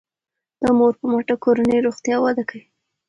د مور په مټه کورنی روغتیا وده کوي.